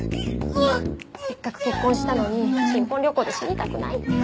せっかく結婚したのに新婚旅行で死にたくないって。